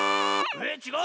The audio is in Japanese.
えっちがう？